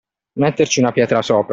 Metterci una pietra sopra.